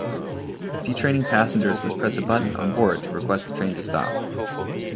Detraining passengers must press a button on board to request the train to stop.